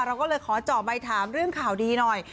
เราก็เลยขอเจาะใบถามเรื่องข่าวดีหน่อย